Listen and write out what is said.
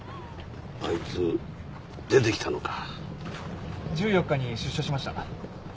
あいつ出てきたのか１４日に出所しました